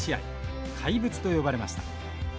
怪物と呼ばれました。